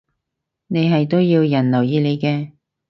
你係都要人留意你嘅